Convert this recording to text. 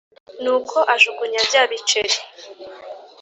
Nuko ajugunya bya biceri